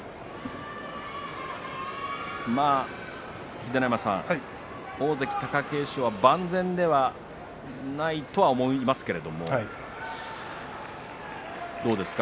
秀ノ山さん、大関貴景勝は万全ではないと思いますけれどもどうですか？